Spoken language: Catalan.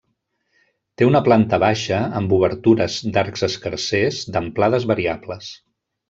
Té una planta baixa amb obertures d'arcs escarsers d'amplades variables.